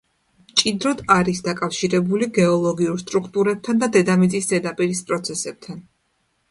მჭიდროდ არის დაკავშირებული გეოლოგიურ სტრუქტურებთან და დედამიწის ზედაპირის პროცესებთან.